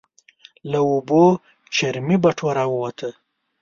له اوبو چرمي بټوه راووته.